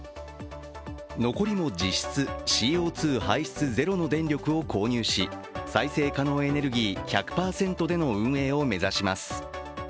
残りも実質ＣＯ２排出ゼロの電力を購入し再生可能エネルギー１００％での運営を目指します。